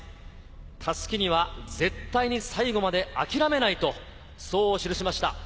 たすきには絶対に最後まで諦めないと記しました。